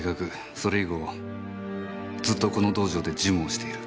それ以後ずっとこの道場で事務をしている。